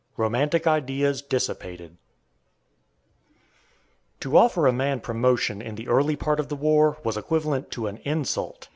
ROMANTIC IDEAS DISSIPATED. To offer a man promotion in the early part of the war was equivalent to an insult.